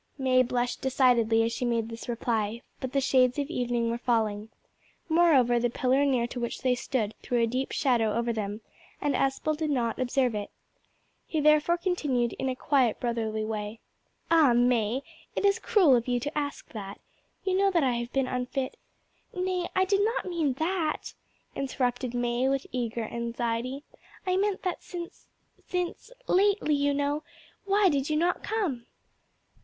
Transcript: May blushed decidedly as she made this reply, but the shades of evening were falling. Moreover, the pillar near to which they stood threw a deep shadow over them, and Aspel did not observe it. He therefore continued in a quiet, brotherly way "Ah! May, it is cruel of you to ask that. You know that I have been unfit " "Nay, I did not mean that," interrupted May, with eager anxiety; "I meant that since since lately, you know why did you not come?"